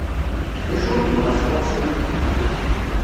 D acu i yebɣa sɣur-sen?